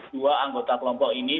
dua anggota kelompok ini